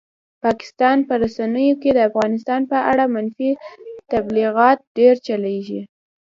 پاکستان په رسنیو کې د افغانستان په اړه منفي تبلیغات ډېر چلېږي.